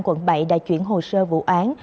quận bảy đã chuyển hồ sơ vụ án